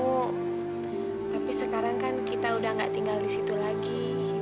oh tapi sekarang kan kita sudah tidak tinggal di situ lagi